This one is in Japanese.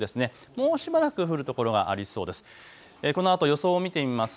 もうしばらく降る所がありそうです。